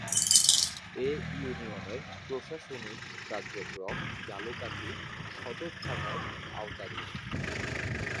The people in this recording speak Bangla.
এ ইউনিয়নের প্রশাসনিক কার্যক্রম ঝালকাঠি সদর থানার আওতাধীন।